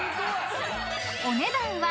［お値段は］